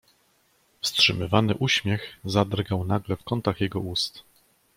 "Wstrzymywany uśmiech zadrgał nagle w kątach jego ust."